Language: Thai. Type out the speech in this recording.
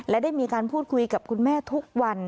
และได้มีการพูดคุยกับคุณแม่ทุกวัน